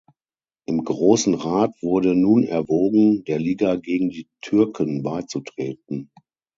Im großen Rat wurde nun erwogen, der Liga gegen die Türken beizutreten.